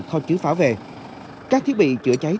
kho chứ pháo về các thiết bị chữa cháy